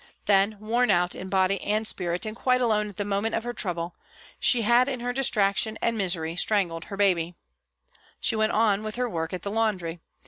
Then worn out in body and spirit, 126 PRISONS AND PRISONERS and quite alone at the moment of her trouble, she had in her distraction and misery strangled her baby. She went on with her work at the laundry.